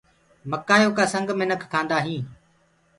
مڪآئيو ڪآ سنگ منک کآندآ هينٚ۔